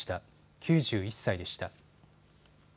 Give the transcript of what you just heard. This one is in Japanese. ９１歳でした。